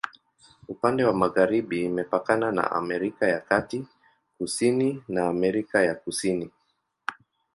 Upande wa magharibi imepakana na Amerika ya Kati, kusini na Amerika ya Kusini.